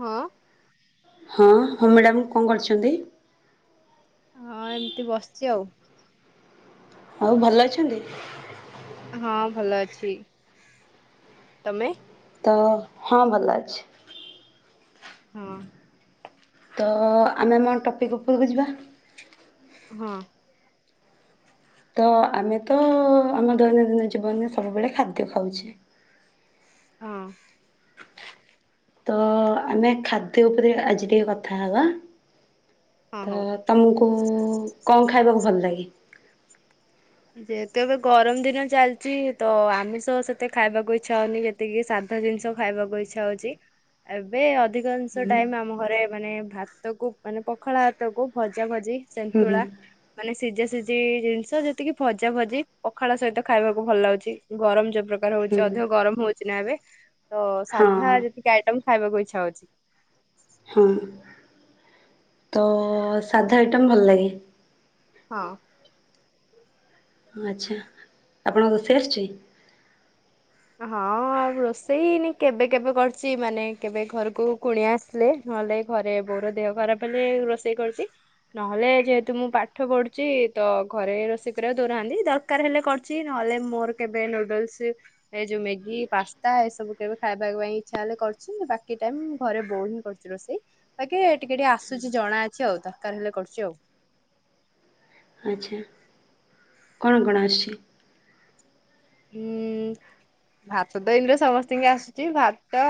ହଁ। ହଁ ହଁ ମ୍ୟାଡ଼ାମ କଣ କରିଛନ୍ତି? ହଁ ଏମିତି ବସିଛି ଆଉ। ଆଉ ଭଲ ଅଛନ୍ତି? ହଁ ଭଲ ଅଛି ତମେ? ତ ହଁ ଭଲ ଅଛି। ହଁ। ତ ଆମେ ଆମ ଟପିକ୍ ଉପରକୁ ଯିବା। ହଁ। ତ ଆମେ ତ ଆମ ଦୈନନ୍ଦିନ ଜୀବନରେ ସବୁବେଳେ ଖାଦ୍ୟ ଖାଉଛେ ହଁ। ତ ଆମେ ଖାଦ୍ୟ ଉପରେ ଆଜି ଟିକେ କଥା ହବା। ହଁ ହଉ। ତ ତମକୁ କଣ ଖାଇବାକୁ ଭଲ ଲାଗେ? ଯେହେତୁ ଏବେ ଗରମ ଦିନ ଚାଲିଛି ତ ଆମିଷ ସେତେ ଖାଇବାକୁ ଇଚ୍ଛା ହଉନି ଯେତିକି ସାଧା ଜିନିଷ ଖାଇବାକୁ ଇଚ୍ଛା ହଉଛି ଏବେ ଅଧିକାଂଶ ହୁଁ ଟାଇମ୍ ଆମ ଘରେ ମାନେ ଭାତ କୁ ମାନେ ପଖାଳ ଭାତ କୁ ଭଜା ଭଜି ହୁଁ ସେନ୍ତୁଳା ମାନେ ସିଝା ସିଝି ଜିନିଷ ଯେ ଟିକେ ଭଜା ଭଜି ପଖାଳ ସହିତ ଖାଇବାକୁ ଭଲ ଲାଗୁଛି ଗରମ ଯୋଗ ପ୍ରକାର ହୁଁ ହଉଛି ଅଧିକ ଗରମ ହଉଛି ନା ଏବେ ତ ହଁ ସାଧା ଯେତିକି ଆଇଟମ୍ ଖାଇବାକୁ ଇଚ୍ଛା ହଉଛି। ହଁ ତ ସାଧା ଆଇଟମ୍ ଭଲ ଲାଗେ। ହଁ। ଆଚ୍ଛା ଆପଣ ରୋସେଇ ଆସୁଛି? ହଁ ଆଉ ରୋଷେଇ ନି କେବେ କେବେ କରଛି ମାନେ କେବେ ଘରକୁ କୁଣିଆ ଆସିଲେ ନହେଲେ ଘରେ ବୋଉ ର ଦେହ ଖରାପ ହେଲେ ରୋଷେଇ କରୁଛି ନହେଲେ ଯେହେତୁ ମୁଁ ପାଠ ପଢୁଛି ତ ଘରେ ରୋଷେଇ କରିବାକୁ ଦଉନାହାନ୍ତି ଦରକାର ହେଲେ କରୁଛି ନହେଲେ ମୋର କେବେ ନୁଡଲସ ଏ ଯୋଉ ମ୍ୟାଗି ପାସ୍ତା ଏସବୁ କେବେ ଖାଇବା ପାଇଁ ଇଚ୍ଛା ହେଲେ କରୁଛି ବାକି ଟାଇମ ଘରେ ବୋଉ ହିଁ କରୁଛି ରୋଷେଇ ବାକି ଟିକେ ଟିକେ ଆସୁଛି ଜଣା ଅଛି ଆଉ ଦରକାର ହେଲେ କରୁଛି ଆଉ। ଆଚ୍ଛା। କଣ କଣ ଆସୁଛି? ହୁଁ ଭାତ ତ ଇମତି ରେ ସମସ୍ତିଙ୍କି ଆସୁଛି ଭାତ ତ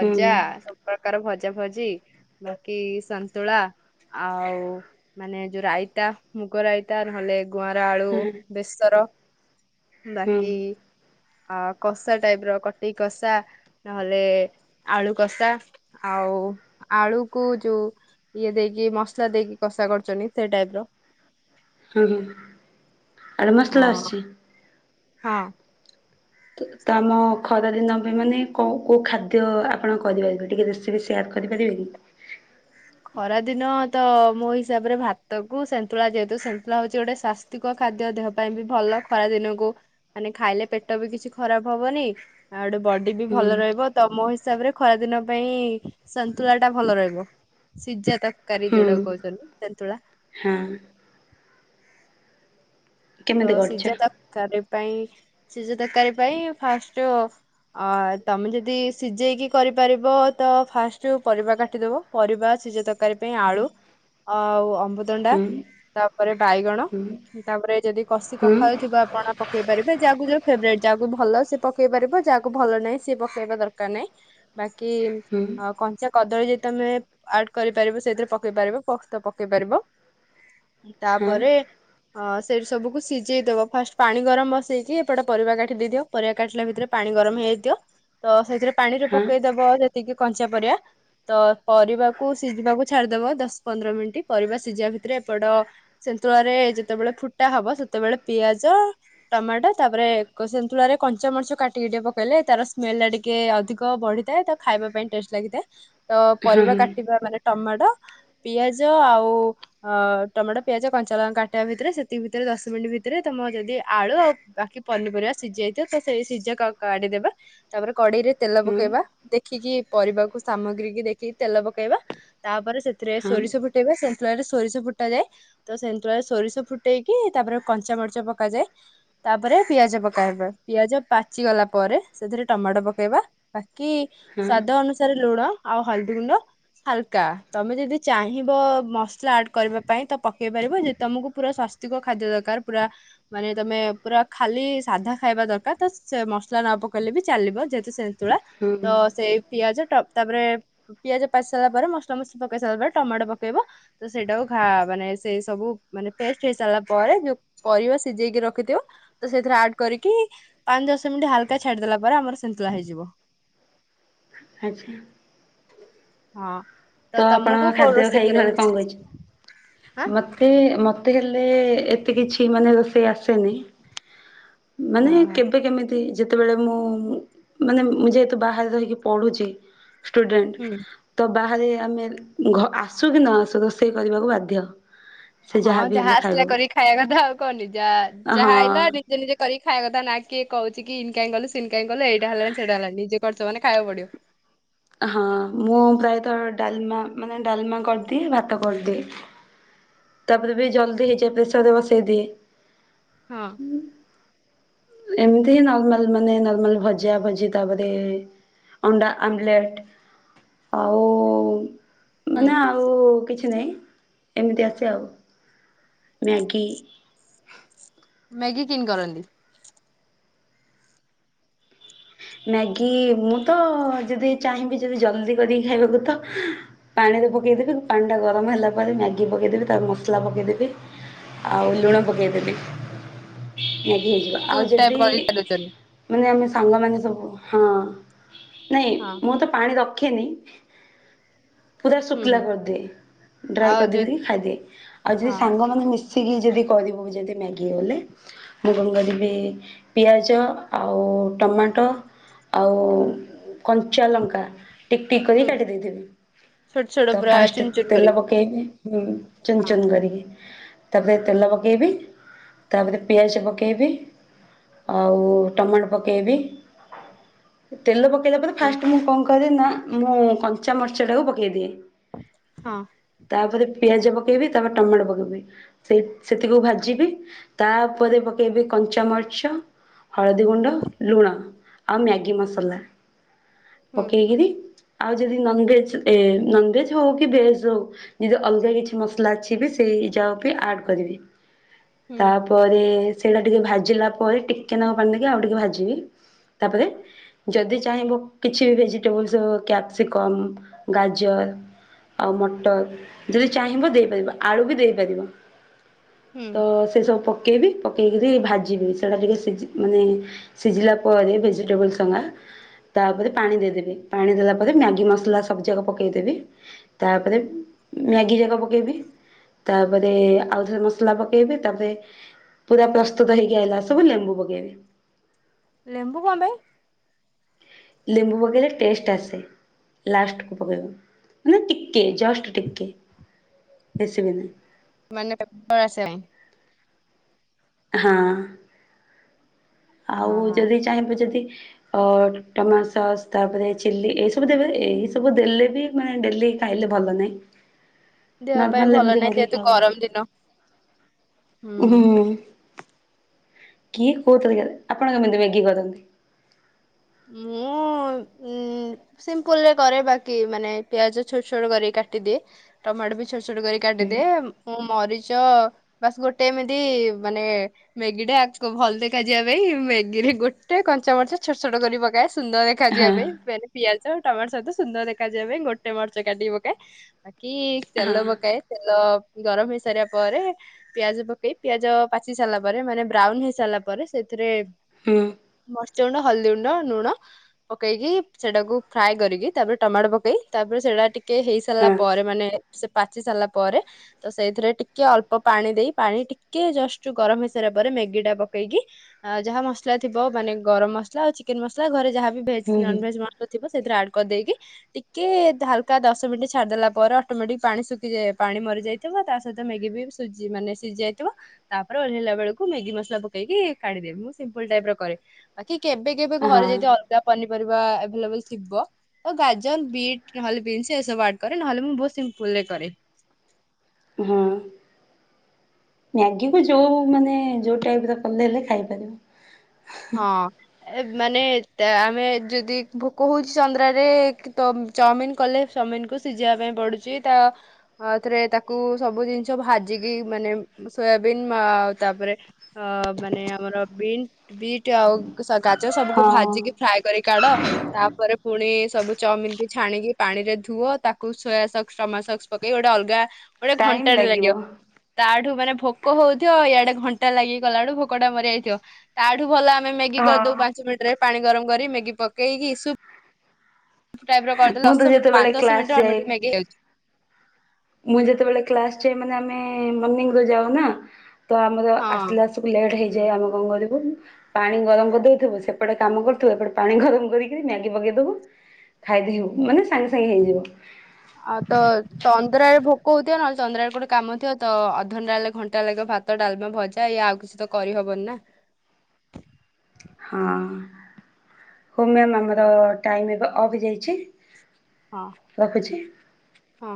ହୁଁ ସବୁ ପ୍ରକାର ଭଜା ଭଜା ଭଜି ବାକି ସନ୍ତୁଳା ଆଉ ମାନେ ଯୋଉ ରାଇତା ମୁଗ ରାଇତା ନହେଲେ ଗୁଆଁର ଆଳୁ ହଁ ହଁ ବେସର ହୁଁ ବାକି ଆ କଷା ଟାଇପର କଟି କଷା ନହେଲେ ଆଳୁ କଷା ଆଉ ଆଳୁକୁ ଯୋଉ ଇଏ ଦେଇକି ମସଲା ଦେଇକି କଷା କରୁଚନ୍ତି ସେ ଟାଇପର ହୁଁ ହୁଁ। ଆଳୁ ମସଲା ଅ ଆସିଚି। ହଁ। ତ-ତମ ଖରାଦିନ ପାଇଁ ମାନେ କୋଉ କୋଉ ଖାଦ୍ୟ ଆପଣ କରିପାରିବେ ଟିକେ ରେସିପି ସେୟାର କରିପାରିବେକି? ଖରା ଦିନ ତ ମୋ ହିସାବରେ ଭାତକୁ ସେନ୍ତୁଳା ଯେହେତୁ ସେନ୍ତୁଳା ହୋଉଚି ଗୋଟେ ସ୍ଵାସ୍ତିକ ଖାଦ୍ୟ ଦେହ ପାଇଁ ବି ଭଲ ଖରା ଦିନକୁ ମାନେ ଖାଇଲେ ପେଟ ବି କିଛି ଖରାପ ହବନି। ଆଉ ଗୋଟେ ବଡି ବି ହୁଁ ଭଲ ରହିବ ତମ ହି ତାପରେ ଖରାଦିନ ପାଇଁ ସନ୍ତୁଳାଟା ଭଲ ରହିବ। ସିଜା ତର କାରି ହୁଁ ଯୋଉଟାକୁ କୋହୁଚନ୍ତି ଶନ୍ତୁଳା। ହଁ ତ କେମିତି କରିଛ? ସିଜା ତାରକାରୀ? ପାଇଁ ସିଜା ତରକାରୀ ପାଇଁ ଫାଷ୍ଟ ଓ ଆ ତମେ ଯଦି ସିଝେଇକି କରିପାରିବ ତ ଫାଷ୍ଟ ପରିବା କାଟିଦବ ପରିବା ସିଜା ତରକାରୀ ପାଇଁ ଆଳୁ ଆଉ ଅ ଅମୃତଭଣ୍ଡା ହୁଁ ତାପରେ ବାଇଗଣ ହୁଁ ତାପରେ ଯଦି କଷି ହୁଁ କଖାରୁ ଥିବା ଆପଣ ପକେଇ ପାରିବେ ଯାହା କୁ ଫେବରାଇଟ୍ ଯାହାକୁ ଭଲ ସେ ପକେଇ ପାରିବ ଯାହାକୁ ଭଲ ନାହିଁ ସି ପକେଇବା ଦରକାର ନାହିଁ ବାକି ହୁଁ ଆଉ କଞ୍ଚା କଦଳୀ ଯଦି ତମେ ଆଡ କରିପାରିବ ସେଇଥିରେ ପକେଇ ପାରିବ ପୋସ୍ତ ପକେଇ ପାରିବ ହଁ। ତାପରେ ଆ ସେଇଠୁ ସବୁକୁ ସିଝେଇଦବ ଫାଷ୍ଟ ପାଣି ଗରମ ବସେଇକି ଏପଟ ପରିବା କାଟି ଦେଇଦିଅ ପରିବା କାଟିଲା ଭିତରେ ପାଣି ଗରମ ହେଇଯାଇଥିବ ତ ସେଇଥିରେ ପାଣିରେ ହଁ ପକେଇଦବ ଯେତିକି କଞ୍ଚା ପରିବା ତ ପରିବାକୁ ସିଜିବାକୁ ଛାଡିଦବ ଦଶ ପନ୍ଦର ମିନିଟ ପରିବା ସିଝିବା ଭିତରେ ଏପଟ ସେନ୍ତୁଳରା ଯେତେବେଳେ ଫୁଟା ହବ ସେ ସେତେବେଳେ ପିଆଜ ଟମାଟ ତାପରେ ଏକ ସନ୍ତୁଳାରେ କଞ୍ଚା ମରିଚ କାଟିକି ଟିକେ ପକେଇଲେ ତାର ସ୍ମେଲ ଟା ଟିକେ ଅଧିକ ବଢିଥାଏ ତା ଖାଇବା ପାଇଁ ଟେଷ୍ଟ ଲାଗିଥାଏ। ତ ପରିବା ହଁ କାଟିବା ମାନେ ଟମାଟ ପିଆଜ ଆଉ ଅ ଟମାଟୋ ପିଆଜ କଞ୍ଚା ଲଙ୍କା କାଟିବା ଭିତରେ ସେତିକି ଭିତରେ ଦଶ ମିନିଟ୍ ଭିତରେ ତମର ଯଦି ଆଳୁ ଆଉ ବାକି ପନିରିବା ସିଝି ଯାଇଥିବ ସେ ସିଝାକୁ ଆଗେ କାଢିଦେବେ ତାପରେ କଡେଇରେ ତେଲ ହଁ ହୁଁ ପକେଇବା ଦେ ଦେଖିକି ପରିବାକୁ ସାମଗ୍ରୀ କି ଦେଖିକି ତେଲ ପକେଇବା ତାପରେ ସେଥିରେ ହଁ ସୋରିଷ ଫୁଟେଇବା ସେ ସନ୍ତୁଳାରେ ସୋରିଷ ଫୁଟା ଯାଏ ତ ସେନ୍ତୁଳାରେ ସୋରିଷ ଫୁଟେଇକି ତାପରେ କଞ୍ଚାାମରିଚ ପକାଯାଏ ତାପରେ ପିଆଜ ପକା ହେବ ପିଆଜ ପାଚିଗଲା ପରେ ସେଥିରେ ଟମାଟ ପକେଇବା ପା କି ହଁ ସ୍ଵାଦ ଅନୁସାରେ ଲୁଣ ଆଉ ହଳଦୀ ଗୁଣ୍ଡ ହାଲକା ତମେ ଯଦି ଚାହିଁବ ମସଲା ଆଡ କରିବା ପାଇଁ ତ ପକେଇ ପାରିବ ଯଦି ତମକୁ ପୁରା ସ୍ୱାସ୍ତିକ ଖାଦ୍ୟ ଦର କାର ପୁରା ମାନେ ତମେ ପୁରା ଖାଲି ସାଧା ଖାଇବା ଦରକାର ତ ସେ ମସଲା ନ ପକେଇଲେ ବି ଚାଲିବ ଯେହେତୁ ସେ ନ୍ତୁଳା ତ ହୁଁ। ସେଇ ପିଆଜ ଟପ୍ ତାପରେ ପିଆଜ ପାଚି ସାରିଲା ପରେ ମସଲା ମସଲି ପକେଇ ସାରିଲା ପରେ ଟମାଟୋ ପକେଇବ, ତ ସେଇଟାକୁ ଘା ମାନେ ସେଇ ସବୁ ମାନେ ପେଷ୍ଟ ହେଇ ସାରିଲା ପରେ ଯୋଉ ପରିବା ସିଜେଇକି ରଖିଥିବ ତ ସେଥିରେ ଆଡ କରିକି ପାଞ୍ଚ ଦଶ ମିନିଟ ହାଲକା ଛାଡିଦେଲା ପରେ ଆମର ସିନ୍ତୁଳା ହେଇଯିବ। ଆଚ୍ଛା। ହଁ। ତ ତମକୁ ଆପଣଙ୍କ କୋଉ ଖାଦ୍ୟ ରୋଷେଇ ଖାଇକି ଘରେ କରିବାକୁ କିଛି କଣ ଆସେ? କହିଛ ମତେ ମ ତେ ହେଲେ ଏତେ କିଛି ମାନେ ରୋଷେଇ ଆସେନି। ମାନେ ଆଁ କେବେ କେମିତି ଯେତେବେଳେ ମୁଁ ମାନେ ମୁଁ ଯେହେତୁ ବାହାରେ ରହିକି ପଢୁଚି। ଷ୍ଟୁଡେଣ୍ଟ ତ ବାହାରେ ଫ୍ୟାମିଲ ଘ ଆସୁ କି ନ ଆସୁ ରୋଷେଇ କରିବାକୁ ବାଧ୍ୟ। ସେ ହଁ ଯାହାବି ଯାହା ହେଲେ ଆସିଲା ଖାଇବାକୁ କରିକି ଖାଇଆ କଥା ଆଉ କଣ ନିଜା ହଁ ଯାହା ଆଇଲା ନିଜେ ନିଜେ କରି ଖାଇଆ କଥା ନାଇଁ କିଏ କହୁଛି କି ଇନ କାଇଁ କଲୁ ସିିନ କାଇଁ କଲୁ ଏଇଟା ହେଲାନି ସେଇଟା ହେଲାନି ନିଜେ କରୁଚ ମାନେ ଖାଇଆକୁ ପଡିବ। ହଁ ମୁଁ ପ୍ରାୟତ ଡାଲମା ମାନେ ଡାଲମା କରିଦିଏ, ଭାତ କରିଦିଏ। ତାପରେ ବି ଜଲ୍ଦି ହେଇଯାଏ ପ୍ରେସରରେ ବସେଇ ଦିଏ। ହଁ। ଏମତି ନର୍ମାଲ ମାନେ ନର୍ମାଲ ଭଜା ଭଜି ତାପରେ ଅଣ୍ଡା ଆମ୍ଲେଟ, ଆଉ ମାନେ ଆଉ କିଛି ନାହିଁ ଏମିତି ଅଛି ଆଉ ମ୍ୟାଗି ମ୍ୟାଗି କିନ୍ କରନ୍ତି? ମ୍ୟାଗି ମୁଁ ତ ଯଦି ଚାହିଁବି ଯଦି ଜଲଦି କରିକି ଖାଇବାକୁ ତ ପାଣିରେ ପକେଇ ଦେବି ପାଣି ଟା ଗରମ ହେଲା ପରେ ମ୍ୟାଗି ପକେଇ ଦେବି ତା ମସଲା ପକେଇ ଦେବି, ଆଉ ଲୁଣ ପକେଇ ଦେବି ମ୍ୟାଗି ହେଇଯିବ। ଆଉ ସୁପ୍ ଟାଇପ୍ ଯଦି କରିକି ଖାଇଦଉଛନ୍ତି ମାନେ ଆମେ ସାଙ୍ଗମାନେ ସବୁ ହଁ। ନାଇଁ ହଁ ମୁଁ ତ ପାଣି ର ଖେନି। ପୁରା ହୁଁ ଶୁଖିଲା ହୁଁ। କରିଦିଏ ଡ୍ରାଏ ଆଉ କରଦିଏ ଯୋଉ ବି ଖାଇଦିଏ ଆଉ ଯଦି ହଁ ସାଙ୍ଗମାନେ ମିଶି ଶିକିି ଯଦି କରିବୁ ଯଦି ମ୍ୟାଗି ଗଲେ ମୁଁ କଣ କରିବି ପିଆଜ ଆଉ ଟମାଟୋ ଆଉ କଞ୍ଚା ଲଙ୍କା ଟିକଟିକ କରି ହୁଁ କାଟି ଦେଇଥିବି ଛୋଟ ଛୋଟ ତ ପୁରା ଫାଷ୍ଟ ଚୁନ ଚୁନ ତେଲ କରିକି ପକେଇବି ଉଁ ଚୁନ ହଁ ଚୁନ କରିକି। ତାପରେ ତେଲ ପକେଇବି, ତାପରେ ପିଆଜ ପକେଇବି ଆଉ ଟମାଟୋ ପକେଇବି, ତେଲ ପ ପକେଇଲା ପରେ ହୁଁ ଫାଷ୍ଟ ମୁଁ କଣ- କହିଦେ ନା ମୁଁ କଞ୍ଚା ମର୍ଚ୍ଚଟାକୁ ପକାଇଦିଏ। ହଁ ତାପରେ ପିଆଜ ପକେଇବି ତାପରେ ଟମାଟୋ ପକେଇବି ସେଥିକୁ ଭାଜିବି ତା ଉପରେ ପକେଇବି କଞ୍ଚାମରିଚ ହଳଦୀ ଗୁଣ୍ଡ ଲୁଣ ଆଉ ମ୍ୟାଗି ମସଲା ହୁଁ ପକେଇ କିରି ଆଉ ଯଦି ନନଭେଜ ଏ ନନଭେଜ ହଉ କି ଭେଜ ହଉ ଯଦି ଅଲଗା କିଛି ମସଲା ଅଛି ବି ସେଇ ଯାହା ବି ଆଡ୍ କରିବି। ହୁଁ ତାପରେ ସେଇଟା ଟିକେ ଭାଜିଲା ପରେ ଟିକେନାଙ୍କ ପାଣି ଦେଇକି ଆଉ ଟିକେ ଭାଜିବି। ତାପରେ ଯଦି ଚାହିଁବ କିଛି ଭେଜିଟେବଲ କ୍ୟାପ୍ସିକମ ଗାଜର ଆଉ ମଟର ଯଦି ଚାହିଁବ ଦେଇପାରିବ ଆଳୁ ବି ଦେଇପାରିବ। ହୁଁ ତ ସେସବୁ ପ ପକେଇବି ପକେଇକରି ଭାଜିବି ସେଇଟା ଟିକେ ସିଝି ମାନେ ସିଝିଲା ପରେ ଭେଜିଟେବଲ ସଙ୍ଗା ତାପରେ ପାଣି ଦେଇଦେବି ପାଣି ଦେଲା ପରେ ମ୍ୟାଗି ମସଲା ସବୁ ଯାକ ପକେଇଦେବି ତାପରେ ମ୍ୟାଗି ଯାକ ପକେଇବି ତାପରେ ଆଉଥରେ ମସଲା ପକେଇବି ତାପରେ ପୁରା ପ୍ରସ୍ତୁତ ହେଇକି ଆଇଲା ସବୁ ଲେମ୍ବୁ ପକେଇବି। ଲେମ୍ବୁ କଣ ପାଇଁ? ଲେମ୍ବୁ ପକେଇଲେ ଟେଷ୍ଟ ଆସେ ଲାଷ୍ଟକୁ ପକେଇବ ମାନେ ଟି- ଏଇ ଜଷ୍ଟ ଟିକେ। [unintelligible] ମାନେ [unintelligible] ହଁ। ଆଉ ଆ ଯଦି ଚାହିଁବେ ଯଦି ଅ ଟମାସସ୍ ତାପରେ ଚିଲି ଏଇ ସବୁ ଦେବେ ଏଇ ସବୁ ଦେଲେ ବି ମାନେ ଡେଲି ଖାଇଲେ ଭଲ ନାହିଁ। ଦେହ ପାଇଁ ନର୍ମାଲ ଭଲ ଏମିତି ନାହିଁ କରିକି ଯେହେତୁ ଖାଇବା ଗରମ ଦିନ ହୁଁ। କିଏ କୋଉ ପରିକାରେ ଆପଣ କେମିତି ମ୍ୟାଗି କରନ୍ତି? ମୁଁ ସିମ୍ପୁଲ ରେ କରେ ବାକି ମାନେ ପିଆଜ ଛୋଟ ଛୋଟ କରିକି କାଟିଦିଏ ଟମାଟୋ ବି ଛୋଟ ଛୋଟ କରି ହଁ କାଟିଦିଏ ମୁଁ ମରିଚ ବାସ୍ ଗୋଟେ ଏମିତି ମାନେ ମ୍ୟାଗିଟା କ ଭଲ ଦେଖାଯିବା ପାଇଁ ମ୍ୟାଗି ରେ ଗୋଟେ କଞ୍ଚାମରିଚ ଛୋଟ ଛୋଟ କରି ପକାଏ। ସୁନ୍ଦର ଦେଖାଯିବା ପାଇଁ ମାନେ ପିଆଜ ଚ ଟମାଟ ସହିତ ସୁନ୍ଦର ଦେଖାଯିବା ପାଇଁ ଗୋଟେ ମରିଚ କାଟିକି ପକାଏ ବା କି ହଁ ତେଲ ପକାଏ ତେଲ ଗରମ ହେଇ ସାରିବା ପରେ ପିଆଜ ପକେଇ ପିଆଜ ପାଚି ସାରିଲା ପରେ ମାନେ ବ୍ରାଉନ ହେଇ ସାରିଲ ପରେ ସେ ସେଥିରେ ହୁଁ ମ ଜଣ ହଳଦୀ ଗୁଣ୍ଡ ଲୁଣ ପକେଇକି ସେଟାକୁ ଫ୍ରାଏ କରିକି ତାପରେ ଟମାଟୋ ପକେଇ ତାପରେ ସେଟା ଟିକେ କେ ହେଇ ସାରିଲା ହଁ ପରେ ମାନେ ସେ ପାଚି ସାରିଲା ପରେ ତ ସେଇଥିରେ ଟିକେ ଅଳ୍ପ ପାଣି ଦେଇ ପାଣି ଟିକେ ଜଷ୍ଟ ଗରମ ହେଇସାରିବା ପରେ ମ୍ୟାଗି ଟା ପକେଇକି ଯାହା ମସଲା ଥିବ ମାନେ ଗରମ ମସ ମସଲା ଆଉ ଚିକେନ ମସଲା ଘରେ ଯାହା ଭେଜ୍ ହୁଁ ନନ ହୁଁ ଭେଜ୍ [unintelligible] ଥିବ ସେଥିରେ ଆଡ କରିଦେଇକି ଟିକେ ହାଲକା ଦଶ ମିନିଟ୍ ଛାଡିଦେଲା ପରେ ଅଟୋମେଟିକ ପାଣି ଶୁଖି ଯାଏ ପାଣି ମରି ଯାଇଥିବ ତା ସହିତ ମ୍ୟାଗି ବି ସିଜି ମାନେ ସିଜି ଯାଇଥିବ ତାପରେ ଓହ୍ଲେଇଲା ବେଳକୁ ମ୍ୟାଗି ମସଲା ପକେଇକି କାଢିଦେବ ମୁଁ ସିମ୍ପୁଲ ଟାଇପ ର କରେ ବା କେବେ କେବେ ହଁ ଘରେ ଯଦି ଅଲଗା ପନି ପରିବା ଆଭଲେଵଲ ଥିବ ଓ ଗାଜର ବିଟ ନହେଲେ ବିନ୍ ଏବୁ ଆଡ କରେ ନହଲେ ମୁଁ ବହୁତ ସମ୍ପୁଲ୍ ରେ କରେ। ହଁ। ମ୍ୟାଗିକୁ ଯୋଉ ମାନେ ଯୋଉ ଟାଇପ ର କଲେ ହେଲେ ଖାଇପାରିବୁ। ହଁ ଏ ମାନେ ଆମେ ଯଦି ଭୋକହଉଚି ସନ୍ଦ୍ରାରେ କେ ତ ମଁ ଚାଉମିିନ କଲେ ଚାଉମିିନ କୁ ସିଯେଇବା ପାଇଁ ପଡୁଚି ତା ଅଁ ଥରେ ତାକୁ ସବୁ ଜିନିଷ ଭାଜିକି ମାନେ ସୋୟାବିନ୍ ଆଉ ତାପରେ ଅ ମାନେ ଆମର ବିନ୍ ବିଟ ଆଉ ସ ଗା ଚ ସବୁ ହଁ ଭାଜିକି ଫ୍ରାଏ କରିକି କାଢ ତାପରେ ପୁଣି ସବୁ ଚାଉମିନ ବି ଛାଣିକି ପାଣି ରେ ଧୁଅ ତାକୁ ସୋୟାସକ୍ସ ଟମାସକ୍ସ ପକେଇ ଗୋଟେ ଅଲଗା ଗୋଟେ ଘଣ୍ଟାଟେ ଲାଗିବ ତାଠୁ ମାନେ ଭୋକ ହଉଥିବ ଇଆଡେ ଘଣ୍ଟା ଲାଗି କଲା ଆଳୁ ଭୋକ ଟା ମରିଆଇଥିବ। ତାଠୁ ଭଲ ଆ ଆମେ ମ୍ୟାଗି କରିଦଉ ହଁ ପାଞ୍ଚ ମିନିଟ ରେ ପାଣି ଗରମ କରି ମ୍ୟାଗି ଗି ପକେଇକିଇ ସୁପ ଟାଇପ ର କରିଦେଲେ ମୁଁ ତ ଦଶ ଯେତେବେଳେ ପାଞ୍ଚ ଦଶ କ୍ଲାସ୍ ମିନିଟ ରେ ଯାଏ ଆମର ମ୍ୟାଗି ହେଇଯାଉଚି ମୁଁ ଯେତେବେଳେ କ୍ଲାସ ଯାଏ ମାନେ ଆମେ ମର୍ନିଙ୍ଗ ରୁ ଯାଉ ନା ତ ଆମର ହଁ ଆସିଲା ଆସିକୁ ଲେଟ୍ ହେଇ ଯାଏ ଆମ କଣ କରିବୁ ପାଣି ଗରମ କରିଦେଇଥିବୁ ସେପଟେ କାମ କରୁଥିବୁ ଏପଟେ ପାଣି ଗରମ କରିକି ମ୍ୟାଗି ପକେଇଦବୁ ଖାଇଦବୁ ମାନେ ସାଙ୍ଗେ ସାଙ୍ଗେ ହେଇଯିବ ଆଉ ତ ତ ତଦରାଏରେ ଭୋ କହୁଥିବ ନହେଲେ ତନ୍ଦ୍ର ଆଡ଼େ କୋଉଠି କାମ ଥିବ ତ ଅଧଘଣ୍ଟା ହେଲେ ଘଣ୍ଟାଏ ଲାଗିବ ଭାତ ଡାଲମା ଭଜା ଇଏ ଆଉ କିଛି ତ କରିହବନି ନା। ହଁ ହଉ ମ୍ୟାମ୍ ଆମର ଟାଇମ୍ ଏବେ ଅଫ୍ ଯାଇଛି ହଁ ରଖୁଛି। ହଁ।